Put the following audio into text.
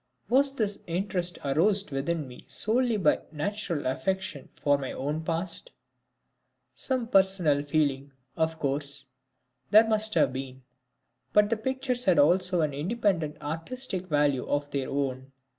Was this interest aroused within me solely by a natural affection for my own past? Some personal feeling, of course, there must have been, but the pictures had also an independent artistic value of their own.